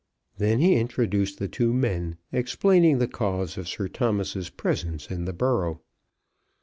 Then he introduced the two men, explaining the cause of Sir Thomas's presence in the borough.